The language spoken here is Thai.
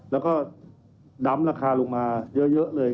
แล้วก็ดำราคาลงมาเยอะเลย